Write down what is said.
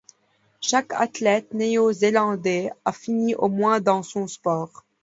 Chaque athlète néo-zélandais a fini au moins dans son sport.